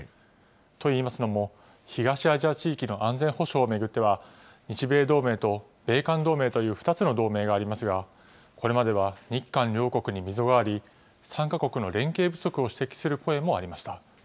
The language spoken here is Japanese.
といいますのも、東アジア地域の安全保障を巡っては、日米同盟と米韓同盟という２つの同盟がありますが、これまでは日韓両国に溝があり、３か国の連携不足を指摘する声もありました。